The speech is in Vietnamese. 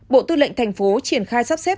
bộ tư lệnh tp hcm triển khai sắp xếp